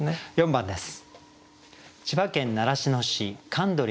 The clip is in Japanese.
４番です。